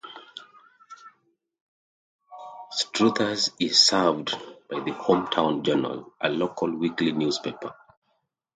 Struthers is served by the "Hometown Journal", a local weekly newspaper.